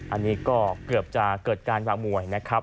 อันนี้ก็เกือบจะเกิดการวางมวยนะครับ